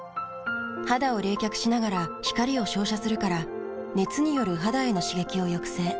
肌を冷却しながら光を照射するから熱による肌への刺激を抑制。